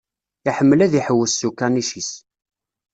Iḥemmel ad iḥewwes s ukanic-is.